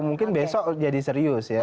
mungkin besok jadi serius ya